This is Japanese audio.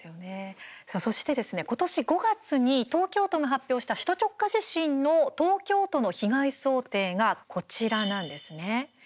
そして今年５月に東京都が発表した首都直下地震の東京都の被害想定がこちらなんですね。